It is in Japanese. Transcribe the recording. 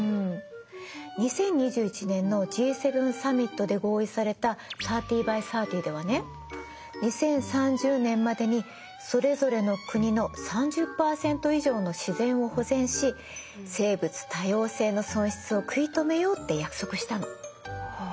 ２０２１年のＧ７サミットで合意された３０ｂｙ３０ではね２０３０年までにそれぞれの国の３０％以上の自然を保全し生物多様性の損失を食い止めようって約束したの。